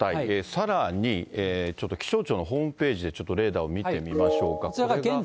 さらに、ちょっと気象庁のホームページで、ちょっとレーダーを見てみましょうか。